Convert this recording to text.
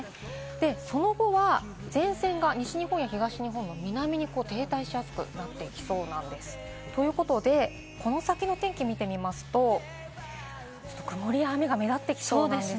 その後は前線が西日本や東日本の南に停滞しやすくなってきそうです。ということで、この先の天気を見てみますと、曇りや雨が目立ってきそうです。